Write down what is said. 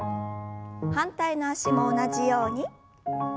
反対の脚も同じように。